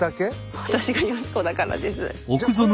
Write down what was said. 私が淑子だからです。